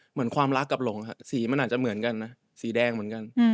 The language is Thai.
เหมือนความรักกับหลงสีมันอาจจะเหมือนกันนะสีแดงเหมือนกัน